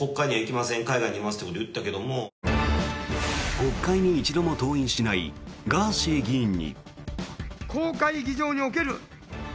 国会に一度も登院しないガーシー議員に。